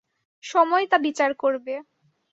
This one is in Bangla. সময় তা বিচার করবে।